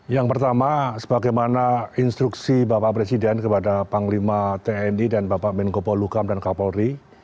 yang pertama sebagaimana instruksi bapak presiden kepada panglima tni dan bapak menko polukam dan kapolri